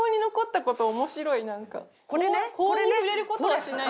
「法にふれることはしない」。